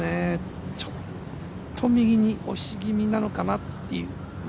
ちょっと右に押し気味なのかなっていう。